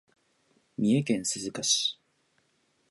三重県鈴鹿市